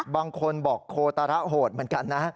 บางคนบอกโคตระโหดเหมือนกันนะ